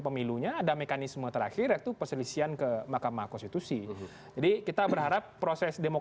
pemilunya ada mekanisme terakhir itu peselisian ke makamah konstitusi jadi kita berharap proses